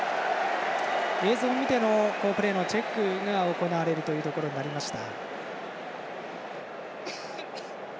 映像を見てのプレーのチェックが行われることになりました。